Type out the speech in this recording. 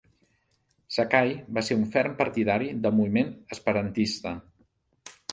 Sakai va ser un ferm partidari del moviment esperantista.